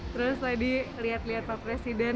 terus tadi liat liat pak presiden